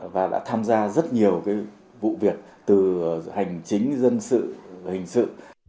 và đã tham gia rất nhiều vụ việc từ hành chính dân sự hình sự